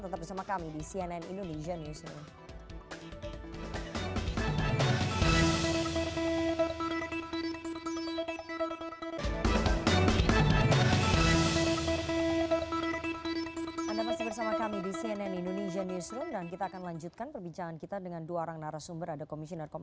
tetap bersama kami di cnn indonesian newsroom